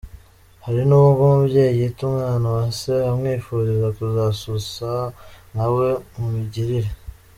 Hari nubwo umubyeyi yita umwana Uwase amwifuriza kuzasusa nka we mu migirire.